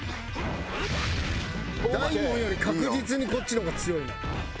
大門より確実にこっちの方が強いな。